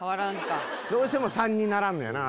どうしても３にならんのやな。